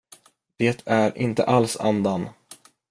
Det är inte alls andan.